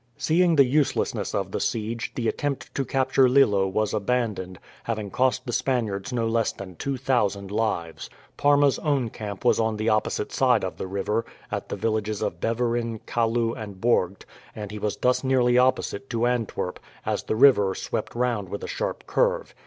Seeing the uselessness of the siege, the attempt to capture Lillo was abandoned, having cost the Spaniards no less than two thousand lives. Parma's own camp was on the opposite side of the river, at the villages of Beveren, Kalloo, and Borght, and he was thus nearly opposite to Antwerp, as the river swept round with a sharp curve.